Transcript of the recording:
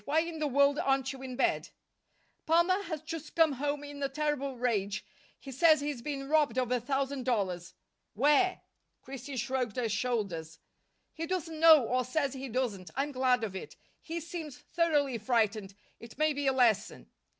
Why in the world aren't you in bed?" "Palmer has just come home in a terrible rage. He says he's been robbed of a thousand dollars." "Where?" Christine shrugged her shoulders. "He doesn't know, or says he doesn't. I'm glad of it. He seems thoroughly frightened. It may be a lesson."